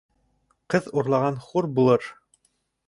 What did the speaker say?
Ҡыҙ урлаған хур булыр.